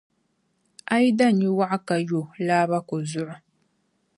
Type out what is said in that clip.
A yi da nyuwɔɣu ka yo, laabako zuɣu.